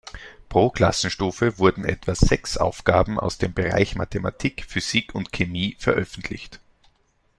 Pro Klassenstufe wurden etwa sechs Aufgaben aus den Bereichen Mathematik, Physik und Chemie veröffentlicht.